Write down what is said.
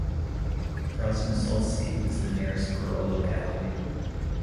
Krasnousolsky is the nearest rural locality.